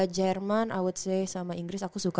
jerman i would say sama inggris aku suka